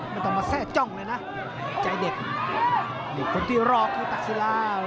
ไม่ต้องมาแทร่จ้องเลยนะใจเด็กคนที่รอคือตักศิลา